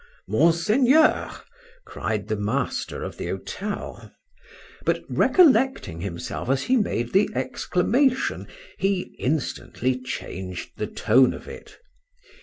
Mon seigneur! cried the master of the hotel; but recollecting himself as he made the exclamation, he instantly changed the tone of it.